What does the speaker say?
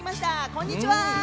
こんにちは。